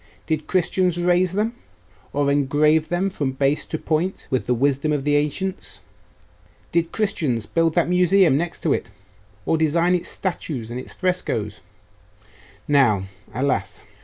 Did Christians raise them, or engrave them from base to point with the wisdom of the ancients? Did Christians build that Museum next to it, or design its statues and its frescoes now, alas!